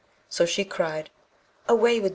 So she cried, 'Away with ye!'